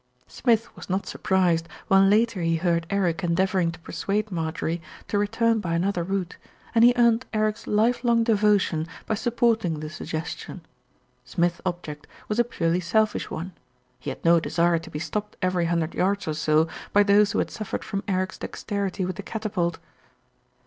Smith was not surprised when later he heard Eric endeavouring to persuade Marjorie to return by an other route, and he earned Eric's lifelong devotion by supporting the suggestion. Smith's object was a purely selfish one. He had no desire to be stopped every hun dred yards or so by those who had suffered from Eric's dexterity with the catapult.